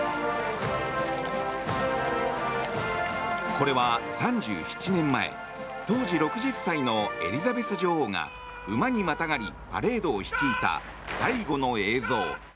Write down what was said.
これは３７年前当時６０歳のエリザベス女王が馬にまたがりパレードを率いた最後の映像。